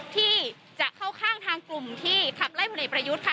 ที่จะเข้าข้างทางกลุ่มที่ขับไล่ผลเอกประยุทธ์ค่ะ